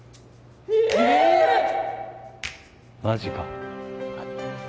えっマジかあっ